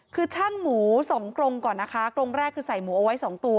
คือช่างหมูสองกรงก่อนนะคะกรงแรกคือใส่หมูเอาไว้สองตัว